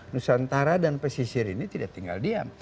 nusantara dan pesisir ini tidak tinggal diam